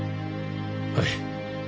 はい。